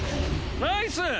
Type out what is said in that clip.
ナイス！